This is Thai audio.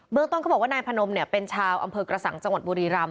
เบื้องต้นเขาบอกว่านายพนมเนี่ยเป็นชาวอำเภอกระสังจังหวัดบุรีรัม